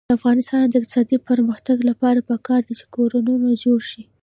د افغانستان د اقتصادي پرمختګ لپاره پکار ده چې کورونه جوړ شي.